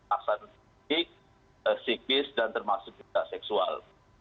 aksan psikis dan termasuk juga seksual